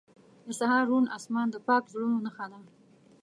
• د سهار روڼ آسمان د پاک زړونو نښه ده.